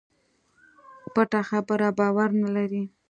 پټه خبره باور نه لري.